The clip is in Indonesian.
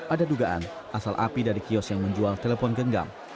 ada dugaan asal api dari kios yang menjual telepon genggam